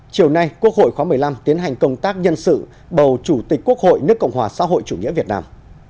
chiều nay quốc hội khóa một mươi năm tiến hành công tác nhân sự bầu chủ tịch quốc hội nước cộng hòa xã hội chủ nghĩa việt nam